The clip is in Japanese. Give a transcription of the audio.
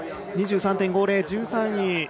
２３．５０、１３位。